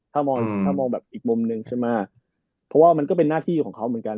ถ้ามองถ้ามองแบบอีกมุมหนึ่งใช่ไหมเพราะว่ามันก็เป็นหน้าที่ของเขาเหมือนกัน